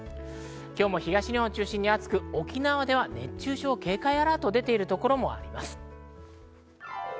今日も東日本を中心に暑く、沖縄では熱中症警戒アラートも出ているところもあります。